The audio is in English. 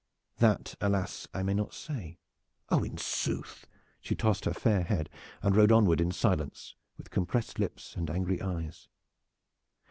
"That, alas! I may not say." "Oh, in sooth!" She tossed her fair head and rode onward in silence, with compressed lips and angry eyes.